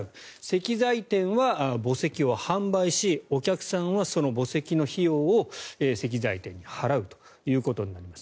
石材店は墓石を販売しお客さんはその墓石の費用を石材店に払うということになります。